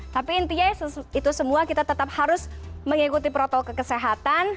tapi intinya itu semua kita tetap harus mengikuti protokol kesehatan